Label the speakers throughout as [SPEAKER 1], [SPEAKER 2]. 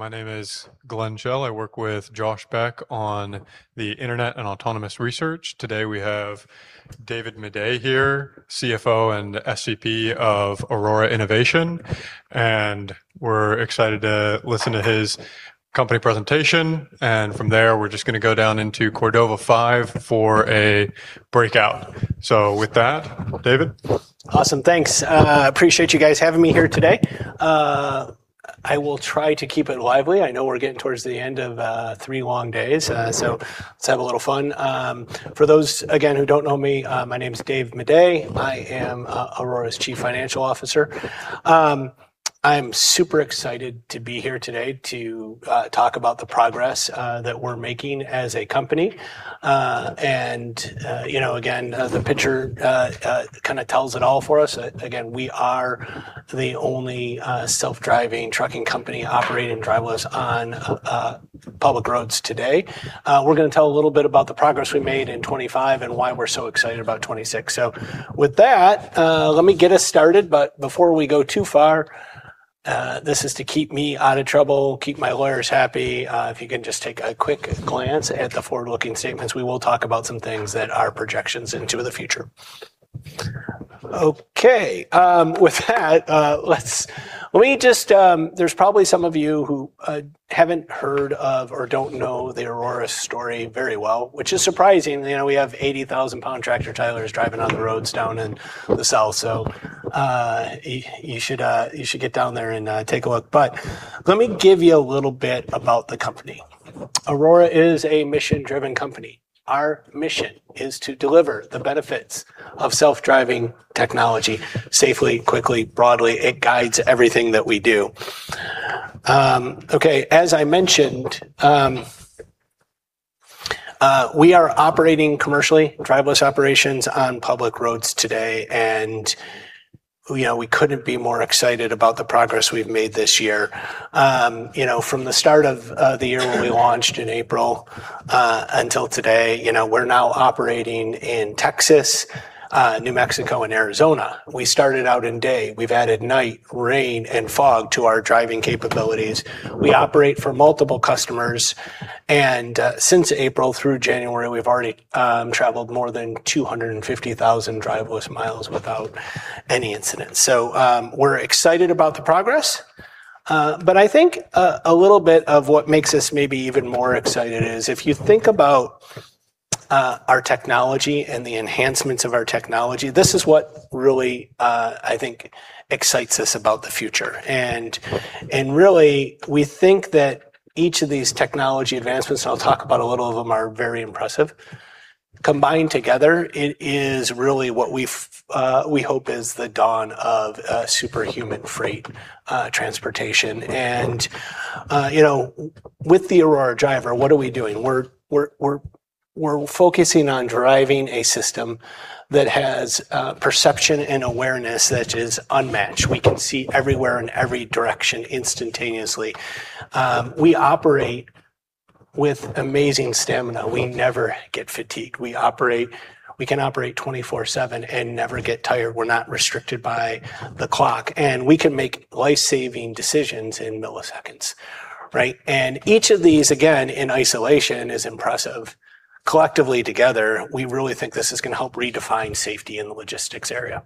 [SPEAKER 1] My name is Glenn Schell. I work with Josh Beck on the internet and autonomous research. Today, we have David Maday here, CFO and SVP of Aurora Innovation, we're excited to listen to his company presentation. From there, we're just gonna go down into Cordova Five for a breakout. With that, David.
[SPEAKER 2] Awesome. Thanks. Appreciate you guys having me here today. I will try to keep it lively. I know we're getting towards the end of three long days, let's have a little fun. For those, again, who don't know me, my name's Dave Maday. I am Aurora's Chief Financial Officer. I'm super excited to be here today to talk about the progress that we're making as a company. You know, again, the picture kinda tells it all for us. Again, we are the only self-driving trucking company operating driverless on public roads today. We're gonna tell a little bit about the progress we made in 2025 and why we're so excited about 2026. With that, let me get us started. Before we go too far, this is to keep me out of trouble, keep my lawyers happy. If you can just take a quick glance at the forward-looking statements, we will talk about some things that are projections into the future. Okay. With that, let me just... There's probably some of you who haven't heard of or don't know the Aurora story very well, which is surprising. You know, we have 80,000-pound tractor trailers driving on the roads down in the south, you should get down there and take a look. Let me give you a little bit about the company. Aurora is a mission-driven company. Our mission is to deliver the benefits of self-driving technology safely, quickly, broadly. It guides everything that we do. Okay. As I mentioned, we are operating commercially, driverless operations on public roads today. You know, we couldn't be more excited about the progress we've made this year. You know, from the start of the year when we launched in April, until today, you know, we're now operating in Texas, New Mexico, and Arizona. We started out in day. We've added night, rain, and fog to our driving capabilities. We operate for multiple customers. Since April through January, we've already traveled more than 250,000 driverless miles without any incidents. We're excited about the progress. I think a little bit of what makes us maybe even more excited is if you think about our technology and the enhancements of our technology, this is what really I think excites us about the future. Really we think that each of these technology advancements, and I'll talk about a little of them, are very impressive. Combined together, it is really what we hope is the dawn of superhuman freight transportation. You know, with the Aurora Driver, what are we doing? We're focusing on driving a system that has perception and awareness that is unmatched. We can see everywhere in every direction instantaneously. We operate with amazing stamina. We never get fatigued. We can operate 24/7 and never get tired. We're not restricted by the clock, we can make life-saving decisions in milliseconds, right? Each of these, again, in isolation is impressive. Collectively together, we really think this is gonna help redefine safety in the logistics area.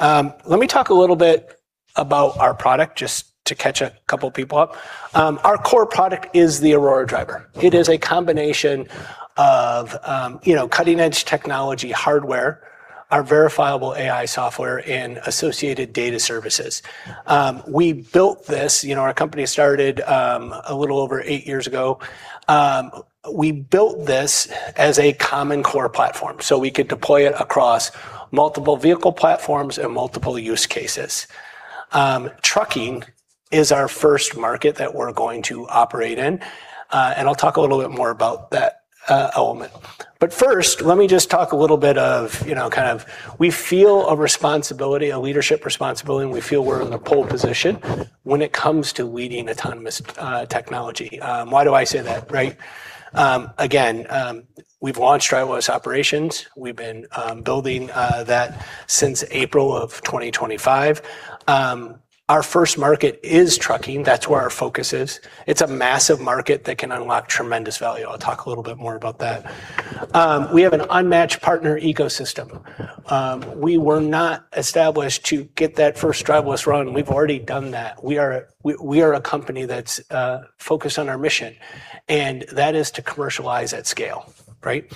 [SPEAKER 2] Let me talk a little bit about our product just to catch a couple people up. Our core product is the Aurora Driver. It is a combination of, you know, cutting-edge technology hardware, our Verifiable AI software, and associated data services. You know, our company started a little over 8 years ago. We built this as a common core platform, we could deploy it across multiple vehicle platforms and multiple use cases. Trucking is our first market that we're going to operate in, I'll talk a little bit more about that element. First, let me just talk a little bit of, you know, kind of we feel a responsibility, a leadership responsibility, and we feel we're in a pole position when it comes to leading autonomous technology. Why do I say that, right? Again, we've launched driverless operations. We've been building that since April of 2025. Our first market is trucking. That's where our focus is. It's a massive market that can unlock tremendous value. I'll talk a little bit more about that. We have an unmatched partner ecosystem. We were not established to get that first driverless run. We've already done that. We are a company that's focused on our mission, and that is to commercialize at scale, right?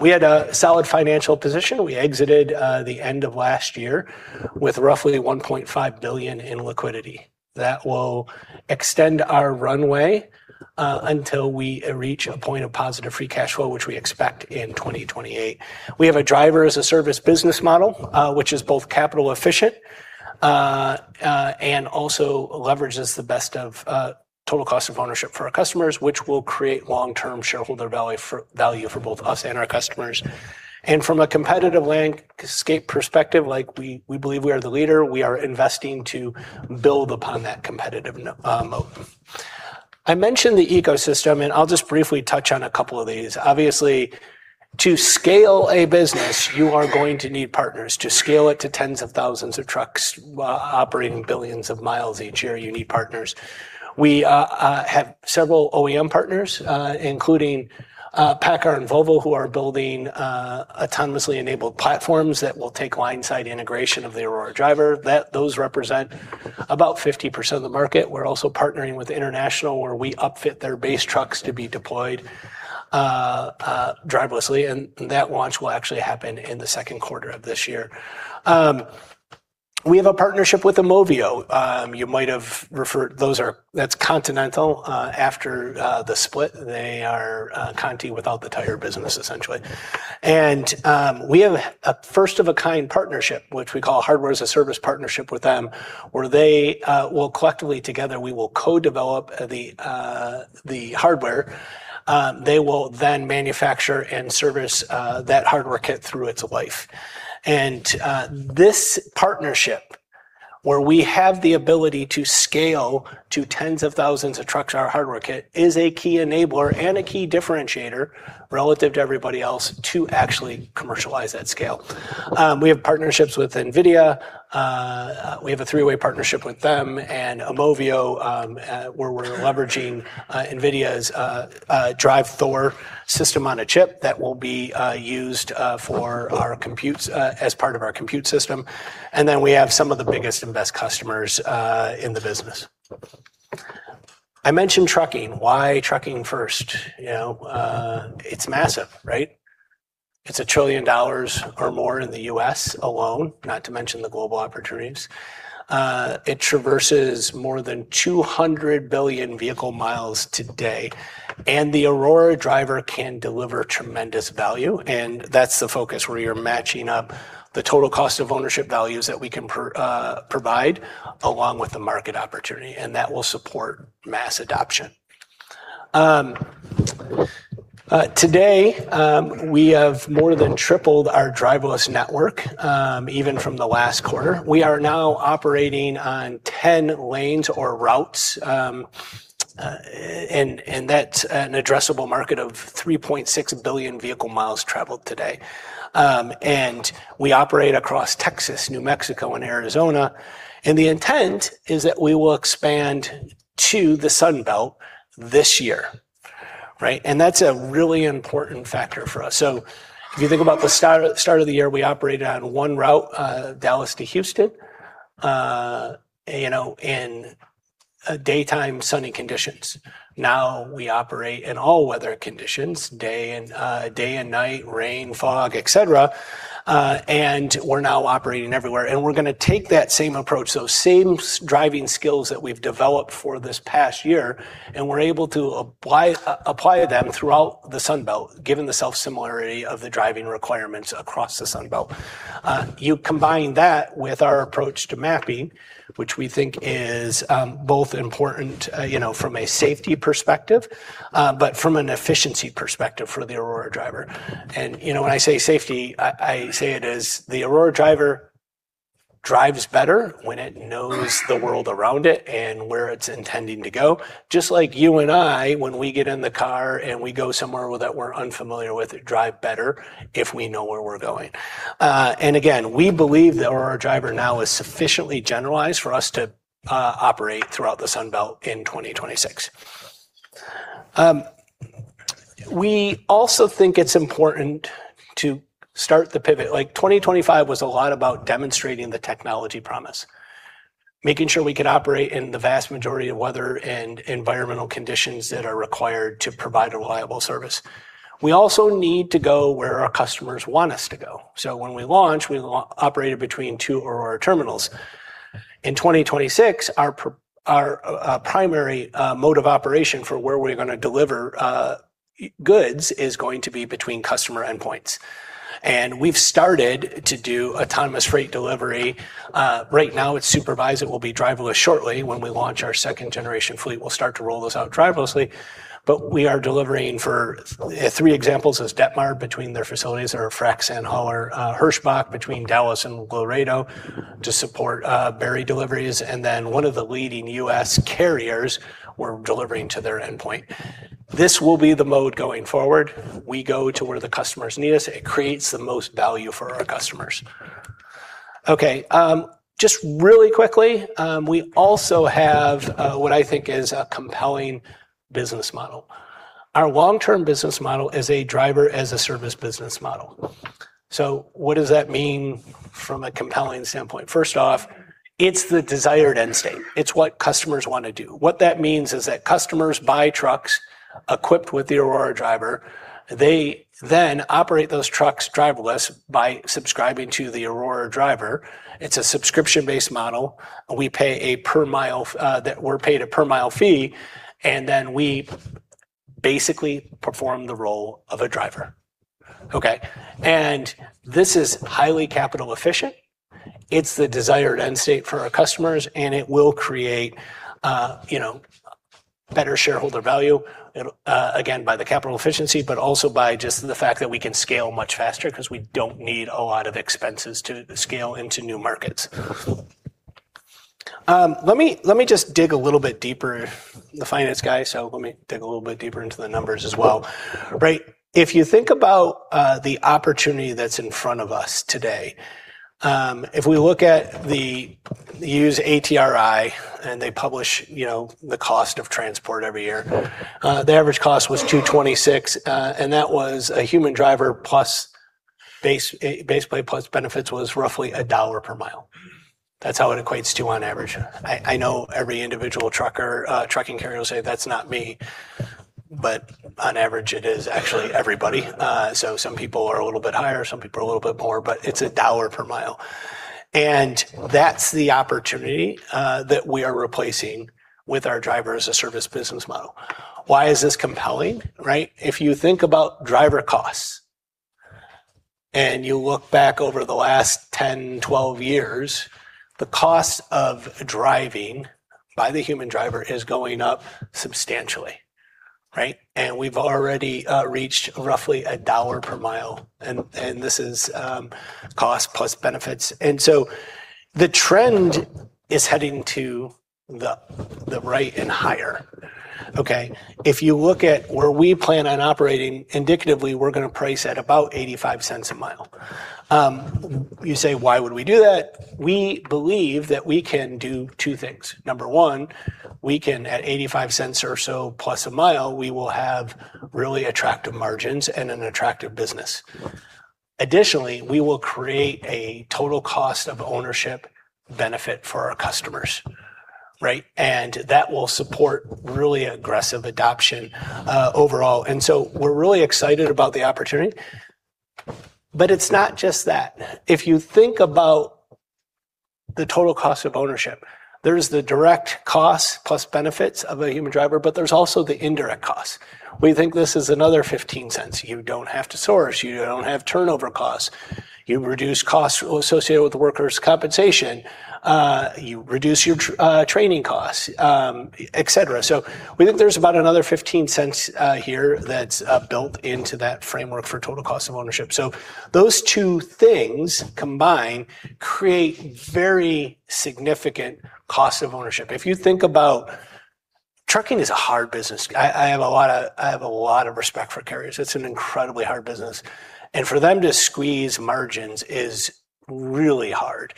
[SPEAKER 2] We had a solid financial position. We exited the end of last year with roughly $1.5 billion in liquidity. That will extend our runway until we reach a point of positive free cash flow, which we expect in 2028. We have a driver-as-a-service business model, which is both capital efficient and also leverages the best of total cost of ownership for our customers, which will create long-term shareholder value for both us and our customers. From a competitive landscape perspective, like, we believe we are the leader. We are investing to build upon that competitive moat. I mentioned the ecosystem, I'll just briefly touch on a couple of these. Obviously, to scale a business, you are going to need partners. To scale it to tens of thousands of trucks, operating billions of miles each year, you need partners. We have several OEM partners, including PACCAR and Volvo, who are building autonomously enabled platforms that will take line side integration of the Aurora Driver. Those represent about 50% of the market. We're also partnering with International, where we upfit their base trucks to be deployed driverlessly. That launch will actually happen in the 2Q of this year. We have a partnership with Continental It traverses more than 200 billion vehicle miles today, and the Aurora Driver can deliver tremendous value, and that's the focus where you're matching up the total cost of ownership values that we can provide along with the market opportunity, and that will support mass adoption. Today, we have more than tripled our driverless network even from the last quarter. We are now operating on 10 lanes or routes, and that's an addressable market of 3.6 billion vehicle miles traveled today. We operate across Texas, New Mexico, and Arizona. The intent is that we will expand to the Sun Belt this year, right? That's a really important factor for us. If you think about the start of the year, we operated on one route, Dallas to Houston, you know, in daytime sunny conditions. Now we operate in all weather conditions, day and night, rain, fog, et cetera. We're now operating everywhere. We're gonna take that same approach, those same driving skills that we've developed for this past year, and we're able to apply them throughout the Sun Belt, given the self-similarity of the driving requirements across the Sun Belt. You combine that with our approach to mapping, which we think is both important, you know, from a safety perspective, but from an efficiency perspective for the Aurora Driver. You know, when I say safety, I say it as the Aurora Driver drives better when it knows the world around it and where it's intending to go. Just like you and I, when we get in the car and we go somewhere that we're unfamiliar with, drive better if we know where we're going. Again, we believe the Aurora Driver now is sufficiently generalized for us to operate throughout the Sun Belt in 2026. We also think it's important to start the pivot. Like, 2025 was a lot about demonstrating the technology promise, making sure we could operate in the vast majority of weather and environmental conditions that are required to provide a reliable service. We also need to go where our customers want us to go. When we launch, we operated between two Aurora terminals. In 2026, our primary mode of operation for where we're gonna deliver goods is going to be between customer endpoints. We've started to do autonomous freight delivery. Right now it's supervised. It will be driverless shortly. When we launch our second-generation fleet, we'll start to roll this out driverlessly. We are delivering for 3 examples is Detmar between their facilities, our frack sand hauler, Hirschbach between Dallas and Laredo to support berry deliveries, and then one of the leading US carriers we're delivering to their endpoint. This will be the mode going forward. We go to where the customers need us. It creates the most value for our customers. Okay, just really quickly, we also have what I think is a compelling business model. Our long-term business model is a driver-as-a-service business model. What does that mean from a compelling standpoint? First off, it's the desired end state. It's what customers wanna do. What that means is that customers buy trucks equipped with the Aurora Driver. They then operate those trucks driverless by subscribing to the Aurora Driver. It's a subscription-based model. That we're paid a per mile fee, and then we basically perform the role of a driver. Okay? This is highly capital efficient. It's the desired end state for our customers, and it will create, you know, better shareholder value, again, by the capital efficiency, but also by just the fact that we can scale much faster 'cause we don't need a lot of expenses to scale into new markets. Let me just dig a little bit deeper. The finance guy, so let me dig a little bit deeper into the numbers as well. Right. If you think about the opportunity that's in front of us today, if we look at use ATRI, and they publish, you know, the cost of transport every year. The average cost was $2.26, and that was a human driver plus base pay plus benefits was roughly $1 per mile. That's how it equates to on average. I know every individual trucker, trucking carrier will say, "That's not me," but on average, it is actually everybody. Some people are a little bit higher, some people are a little bit more, but it's $1 per mile. That's the opportunity that we are replacing with our driver-as-a-service business model. Why is this compelling, right? If you think about driver costs and you look back over the last 10, 12 years, the cost of driving by the human driver is going up substantially, right? We've already reached roughly $1 per mile and this is cost plus benefits. The trend is heading to the right and higher. Okay. If you look at where we plan on operating, indicatively, we're gonna price at about $0.85 a mile. You say, why would we do that? We believe that we can do two things. Number one, we can at $0.85 or so plus a mile, we will have really attractive margins and an attractive business. Additionally, we will create a total cost of ownership benefit for our customers, right? That will support really aggressive adoption overall. We're really excited about the opportunity. It's not just that. If you think about the total cost of ownership, there's the direct costs plus benefits of a human driver, but there's also the indirect costs. We think this is another $0.15. You don't have to source, you don't have turnover costs, you reduce costs associated with workers' compensation, you reduce your training costs, et cetera. We think there's about another $0.15 here that's built into that framework for total cost of ownership. Those two things combined create very significant cost of ownership. If you think about trucking is a hard business. I have a lot of respect for carriers. It's an incredibly hard business, and for them to squeeze margins is really hard.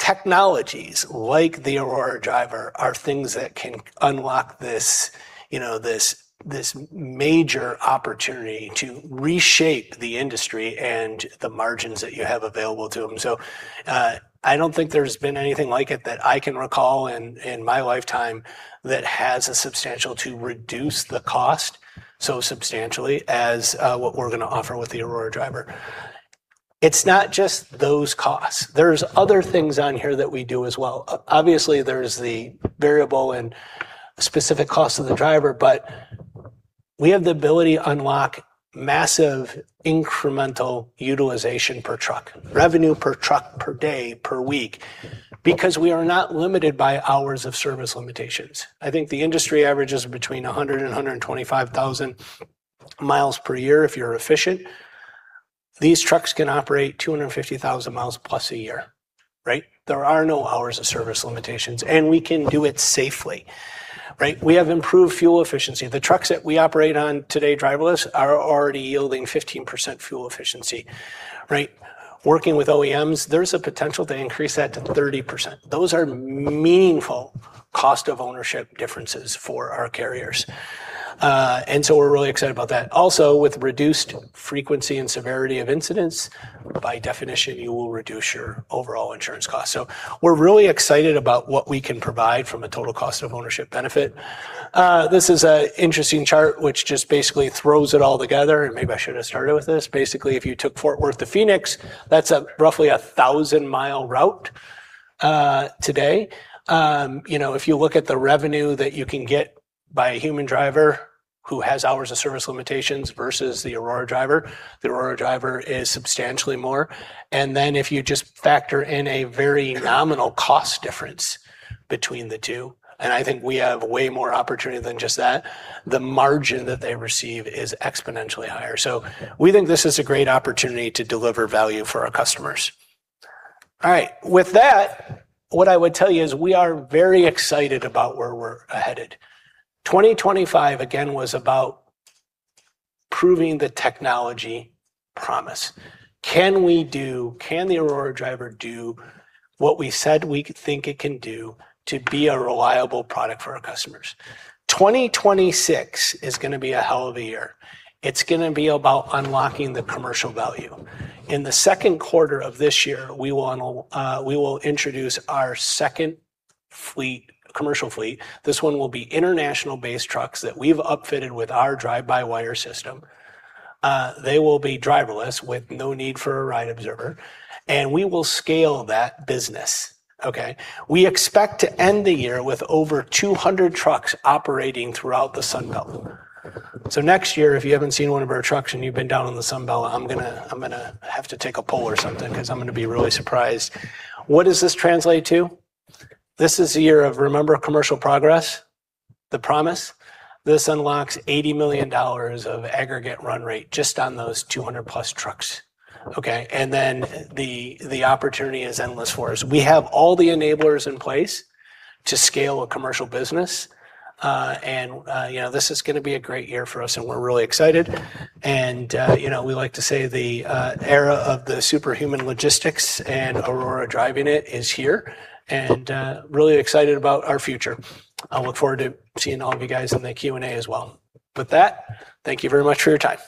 [SPEAKER 2] Technologies like the Aurora Driver are things that can unlock this, you know, this major opportunity to reshape the industry and the margins that you have available to them. I don't think there's been anything like it that I can recall in my lifetime that has a substantial to reduce the cost so substantially as what we're gonna offer with the Aurora Driver. It's not just those costs. There's other things on here that we do as well. Obviously, there's the variable and specific cost of the driver, but we have the ability to unlock massive incremental utilization per truck, revenue per truck per day, per week, because we are not limited by Hours of Service limitations. I think the industry average is between 100,000 and 125,000 miles per year if you're efficient. These trucks can operate 250,000 miles plus a year, right? There are no Hours of Service limitations, and we can do it safely, right? We have improved fuel efficiency. The trucks that we operate on today, driverless, are already yielding 15% fuel efficiency, right? Working with OEMs, there's a potential to increase that to 30%. Those are meaningful total cost of ownership differences for our carriers. We're really excited about that. Also, with reduced frequency and severity of incidents, by definition, you will reduce your overall insurance costs. We're really excited about what we can provide from a total cost of ownership benefit. This is a interesting chart which just basically throws it all together, and maybe I should have started with this. Basically, if you took Fort Worth to Phoenix, that's a roughly a 1,000-mile route today. you know, if you look at the revenue that you can get by a human driver who has Hours of Service limitations versus the Aurora Driver, the Aurora Driver is substantially more. If you just factor in a very nominal cost difference between the two, and I think we have way more opportunity than just that, the margin that they receive is exponentially higher. We think this is a great opportunity to deliver value for our customers. All right. With that, what I would tell you is we are very excited about where we're headed. 2025 again was about proving the technology promise. Can the Aurora Driver do what we said we think it can do to be a reliable product for our customers? 2026 is gonna be a hell of a year. It's gonna be about unlocking the commercial value. In the second quarter of this year, we will introduce our second fleet, commercial fleet. This one will be International-based trucks that we've upfitted with our drive-by-wire system. They will be driverless with no need for a ride observer, and we will scale that business, okay? We expect to end the year with over 200 trucks operating throughout the Sun Belt. Next year, if you haven't seen one of our trucks and you've been down in the Sun Belt, I'm gonna, I'm gonna have to take a poll or something 'cause I'm gonna be really surprised. What does this translate to? This is the year of remember commercial progress, the promise. This unlocks $80 million of aggregate run rate just on those 200+ trucks, okay? The opportunity is endless for us. We have all the enablers in place to scale a commercial business, you know, this is gonna be a great year for us, and we're really excited. You know, we like to say the era of the superhuman logistics and Aurora driving it is here, really excited about our future. I look forward to seeing all of you guys in the Q&A as well. With that, thank you very much for your time.